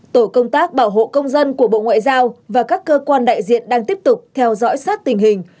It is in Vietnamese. tổ công tác bảo hộ công dân của bộ ngoại giao và các cơ quan đại diện đang tiếp tục theo dõi sát tình hình